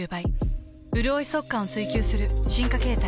うるおい速乾を追求する進化形態。